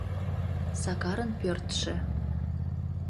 Сакарын пӧртшӧ.